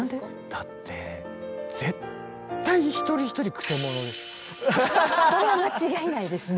だって絶対一人一人それは間違いないですね。